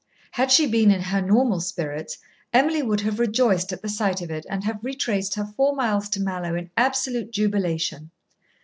Had she been in her normal spirits, Emily would have rejoiced at the sight of it, and have retraced her four miles to Mallowe in absolute jubilation.